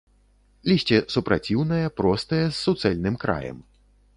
Лісце супраціўнае, простае, з суцэльным краем.